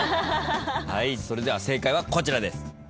はいそれでは正解はこちらです。